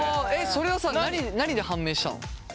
それはさ何で判明したの？